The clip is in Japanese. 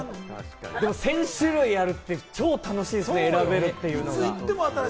でも１０００種類って超楽しいですね、選べるというのは。